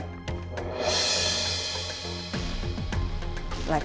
kamu gak penting